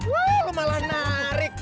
wah lo malah narik